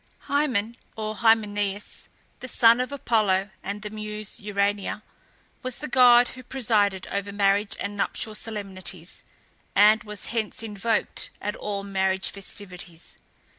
Hymen or Hymenæus, the son of Apollo and the muse Urania, was the god who presided over marriage and nuptial solemnities, and was hence invoked at all marriage festivities.